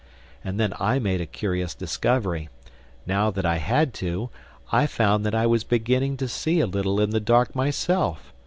And then I made a curious discovery: now that I had to, I found that I was beginning to see a little in the dark myself.